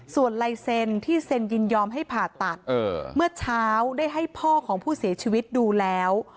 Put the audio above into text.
ส่วนลายเซ็นที่เซ็นยินยอมให้ผ่าตัดเมื่อเช้าได้ให้พ่อของผู้เสียชีวิตดูแล้ว